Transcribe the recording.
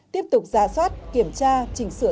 tiếp tục giả soát kiểm tra chỉnh sửa